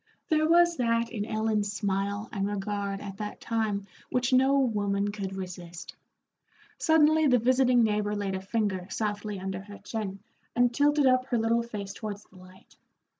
There was that in Ellen's smile and regard at that time which no woman could resist. Suddenly the visiting neighbor laid a finger softly under her chin and tilted up her little face towards the light.